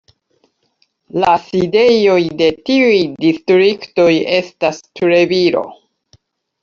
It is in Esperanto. La sidejoj de tiuj distriktoj estas Treviro.